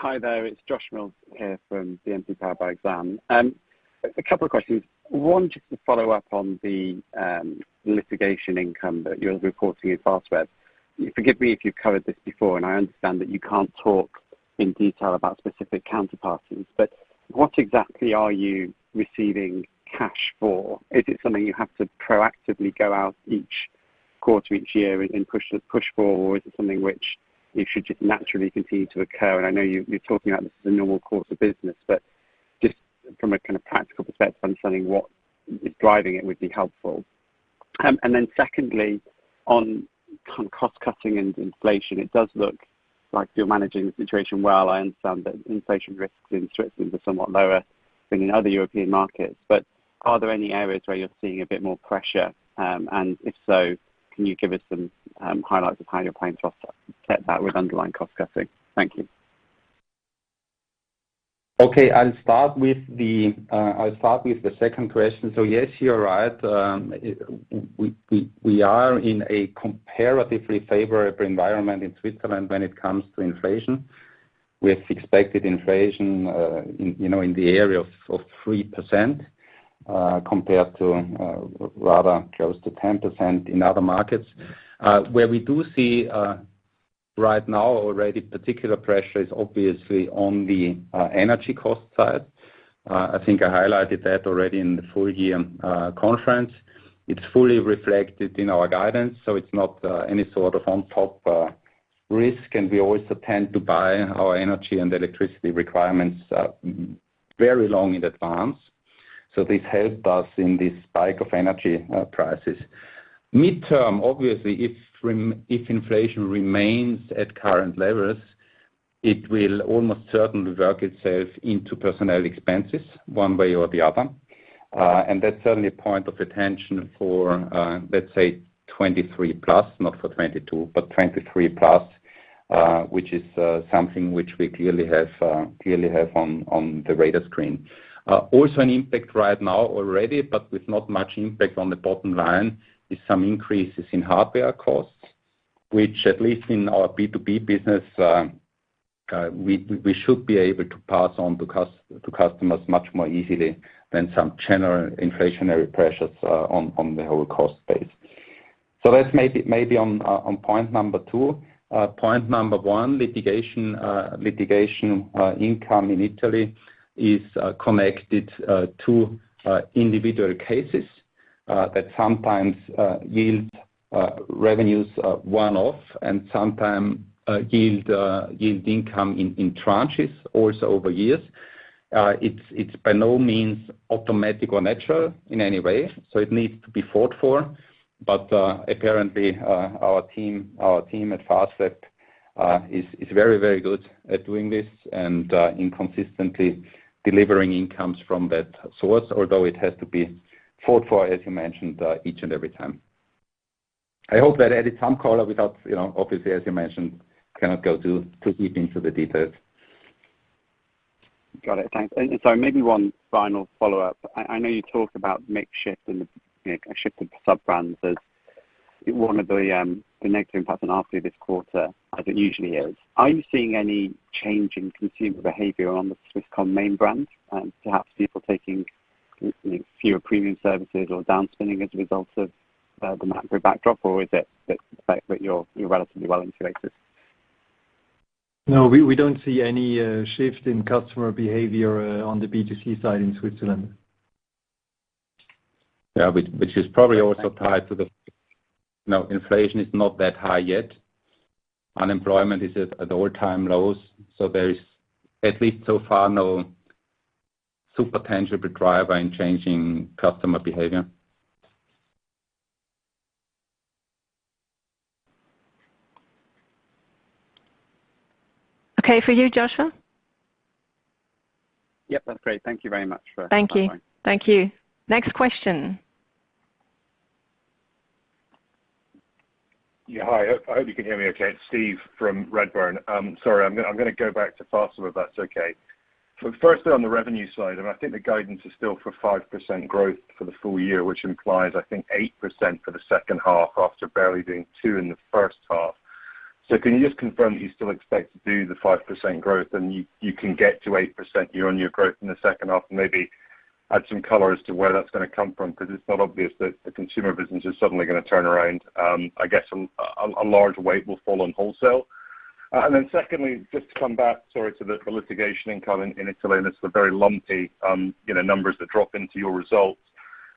Hi there. It's Josh Mills here from BNP Paribas Exane. A couple of questions. One, just to follow up on the litigation income that you're reporting in Fastweb. Forgive me if you've covered this before, and I understand that you can't talk in detail about specific counterparties, but what exactly are you receiving cash for? Is it something you have to proactively go out each quarter, each year and push for? Or is it something which it should just naturally continue to occur? I know you've been talking about this as the normal course of business, but just from a kind of practical perspective, understanding what is driving it would be helpful. Then secondly, on cost cutting and inflation, it does look like you're managing the situation well. I understand that inflation risks in Switzerland are somewhat lower than in other European markets, but are there any areas where you're seeing a bit more pressure? If so, can you give us some highlights of how you're planning to offset that with underlying cost cutting? Thank you. Okay. I'll start with the second question. Yes, you're right. We are in a comparatively favorable environment in Switzerland when it comes to inflation. We have expected inflation, you know, in the area of 3%, compared to rather close to 10% in other markets. Where we do see right now already particular pressure is obviously on the energy cost side. I think I highlighted that already in the full year conference. It's fully reflected in our guidance, so it's not any sort of on top risk. We also tend to buy our energy and electricity requirements very long in advance. This helped us in this spike of energy prices. Midterm, obviously, if inflation remains at current levels. It will almost certainly work itself into personnel expenses one way or the other. And that's certainly a point of attention for, let's say 2023+, not for 2022, but 2023+, which is something which we clearly have on the radar screen. Also an impact right now already, but with not much impact on the bottom line is some increases in hardware costs, which at least in our B2B business, we should be able to pass on to customers much more easily than some general inflationary pressures on the whole cost base. That's maybe on point number two. Point number one, litigation income in Italy is connected to individual cases that sometimes yield revenues one-off and sometimes yield income in tranches also over years. It's by no means automatic or natural in any way, so it needs to be fought for. Apparently, our team at Fastweb is very good at doing this and consistently delivering incomes from that source although it has to be fought for, as you mentioned, each and every time. I hope that added some color without, you know, obviously, as you mentioned, cannot go too deep into the details. Got it. Thanks. Sorry, maybe one final follow-up. I know you talked about mix shift and the, you know, a shift of sub-brands as one of the negative impacts on ARPU this quarter, as it usually is. Are you seeing any change in consumer behavior on the Swisscom main brand, perhaps people taking, you know, fewer premium services or downspending as a result of the macro backdrop? Or is it the fact that you're relatively well insulated? No. We don't see any shift in customer behavior on the B2C side in Switzerland. Yeah. Which is probably also tied to the. Now inflation is not that high yet. Unemployment is at all-time lows, so there is at least so far, no super tangible driver in changing customer behavior. Okay. For you, Josh? Yep, that's great. Thank you very much for stopping by. Thank you. Thank you. Next question. Yeah. Hi, I hope you can hear me okay. It's Steve from Redburn. Sorry, I'm gonna go back to Fastweb if that's okay. Firstly on the revenue side, and I think the guidance is still for 5% growth for the full year, which implies I think 8% for the second half after barely doing 2% in the first half. Can you just confirm that you still expect to do the 5% growth and you can get to 8% year-on-year growth in the second half? Maybe add some color as to where that's gonna come from, 'cause it's not obvious that the consumer business is suddenly gonna turn around. I guess a large weight will fall on wholesale. Secondly, just to come back, sorry, to the litigation income in Italy, and it's the very lumpy, you know, numbers that drop into your results.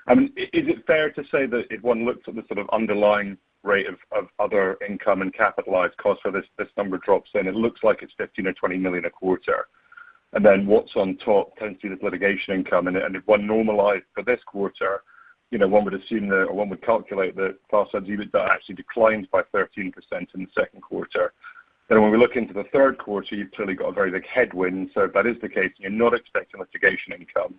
I mean, is it fair to say that if one looks at the sort of underlying rate of other income and capitalized costs, so this number drops in, it looks like it's 15 million or 20 million a quarter. What's on top tends to be this litigation income. If one normalized for this quarter, you know, one would calculate that Fastweb's EBITDA actually declined by 13% in the second quarter. When we look into the third quarter, you've clearly got a very big headwind. If that is the case and you're not expecting litigation income,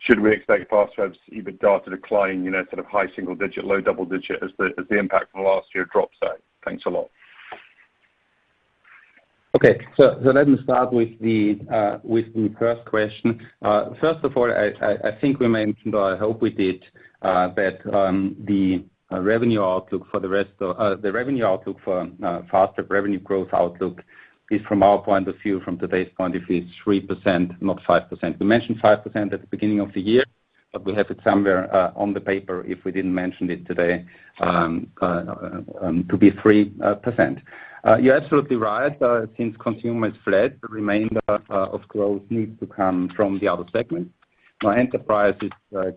should we expect Fastweb's EBITDA to decline, you know, sort of high single-digit, low double-digit as the impact from last year drops out? Thanks a lot. Okay. Let me start with the first question. First of all, I think we mentioned, or I hope we did, that the revenue outlook for Fastweb revenue growth outlook is from our point of view from today's point of view, it's 3%, not 5%. We mentioned 5% at the beginning of the year, but we have it somewhere on the paper if we didn't mention it today, to be 3%. You're absolutely right. Since consumer flat, the remainder of growth needs to come from the other segment. Our enterprise is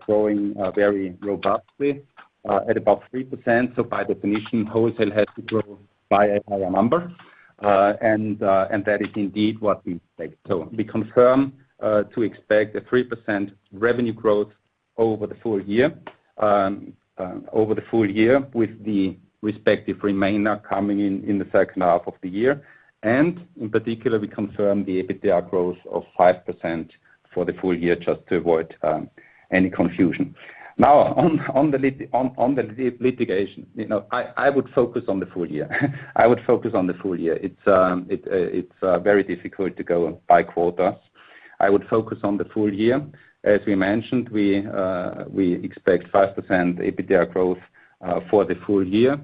growing very robustly at about 3%. By definition, wholesale has to grow by a higher number. That is indeed what we expect. We confirm to expect a 3% revenue growth over the full year, with the respective remainder coming in the second half of the year. In particular, we confirm the EBITDA growth of 5% for the full year just to avoid any confusion. Now on the litigation, you know, I would focus on the full year. I would focus on the full year. It's very difficult to go by quarter. I would focus on the full year. As we mentioned, we expect 5% EBITDA growth for the full year.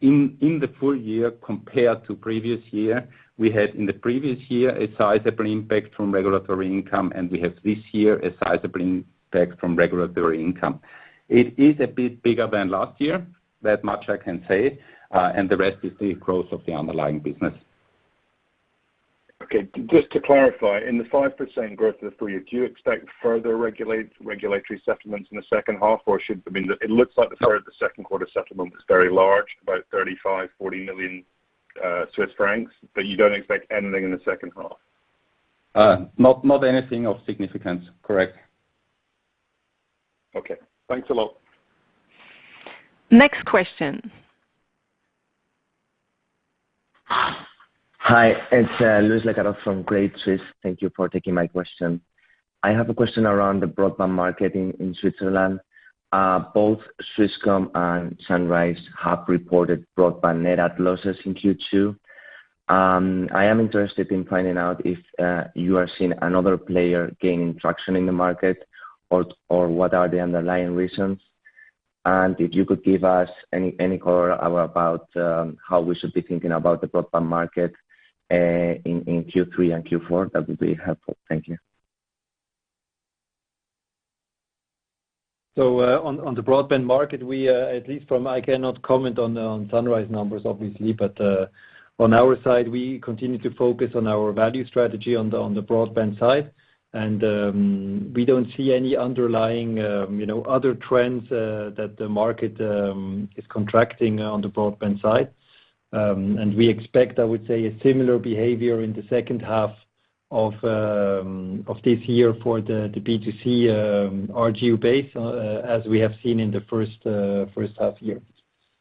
In the full year compared to previous year, we had in the previous year a sizable impact from regulatory income, and we have this year a sizable impact from regulatory income. It is a bit bigger than last year, that much I can say, and the rest is the growth of the underlying business. Okay. Just to clarify, in the 5% growth for the full year, do you expect further regulatory settlements in the second half, or should I mean, it looks like the third of the second quarter settlement was very large, about 35-40 million Swiss francs, but you don't expect anything in the second half? Not anything of significance. Correct. Okay, thanks a lot. Next question. Hi, it's Jakob Bluestone from Credit Suisse. Thank you for taking my question. I have a question around the broadband market in Switzerland. Both Swisscom and Sunrise have reported broadband net add losses in Q2. I am interested in finding out if you are seeing another player gaining traction in the market or what are the underlying reasons. If you could give us any color about how we should be thinking about the broadband market in Q3 and Q4, that would be helpful. Thank you. On the broadband market, we at least I cannot comment on the Sunrise numbers, obviously, but on our side, we continue to focus on our value strategy on the broadband side. We don't see any underlying, you know, other trends that the market is contracting on the broadband side. We expect, I would say, a similar behavior in the second half of this year for the B2C RGU base as we have seen in the first half year.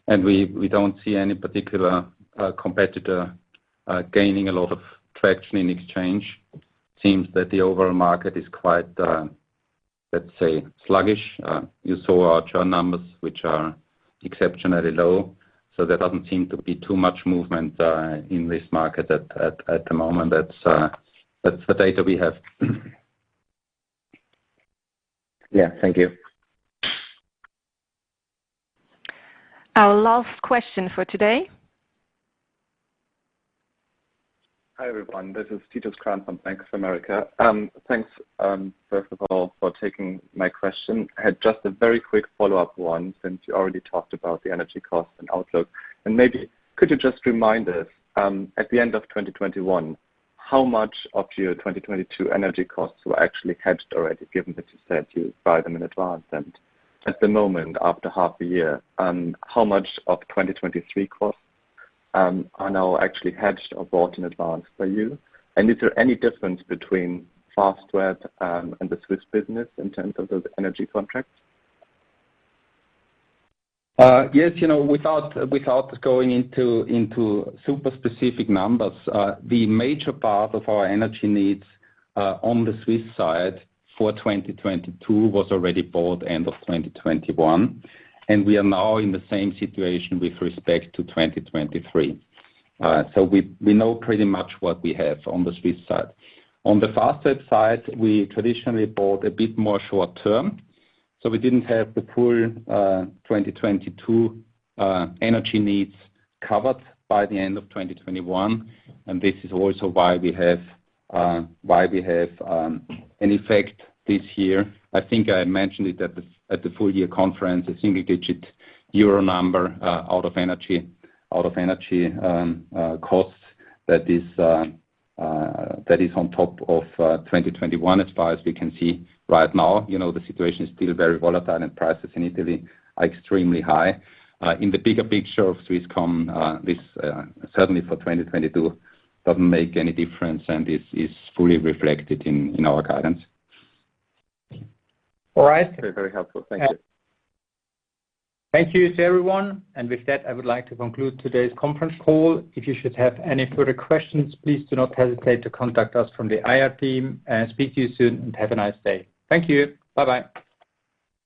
We don't see any particular competitor gaining a lot of traction in exchange. Seems that the overall market is quite, let's say, sluggish. You saw our churn numbers, which are exceptionally low, so there doesn't seem to be too much movement in this market at the moment. That's the data we have. Yeah. Thank you. Our last question for today. Hi, everyone. This is Titus Krahn from Bank of America. Thanks, first of all, for taking my question. I had just a very quick follow-up one since you already talked about the energy costs and outlook. Maybe could you just remind us, at the end of 2021, how much of your 2022 energy costs were actually hedged already, given that you said you buy them in advance? At the moment, after half a year, how much of 2023 costs are now actually hedged or bought in advance by you? Is there any difference between Fastweb and the Swiss business in terms of those energy contracts? Yes. You know, without going into super specific numbers, the major part of our energy needs on the Swiss side for 2022 was already bought end of 2021, and we are now in the same situation with respect to 2023. We know pretty much what we have on the Swiss side. On the Fastweb side, we traditionally bought a bit more short term, so we didn't have the full 2022 energy needs covered by the end of 2021, and this is also why we have an effect this year. I think I mentioned it at the full year conference, a single-digit EUR number out of energy costs that is on top of 2021 as far as we can see right now. You know, the situation is still very volatile and prices in Italy are extremely high. In the bigger picture of Swisscom, this certainly for 2022 doesn't make any difference and is fully reflected in our guidance. All right. Very, very helpful. Thank you. Thank you to everyone. With that, I would like to conclude today's conference call. If you should have any further questions, please do not hesitate to contact us from the IR team, and speak to you soon and have a nice day. Thank you. Bye-bye.